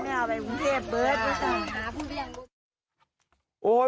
ก็เอาไปกรุงเทพเบิร์ดก็สั่งครับ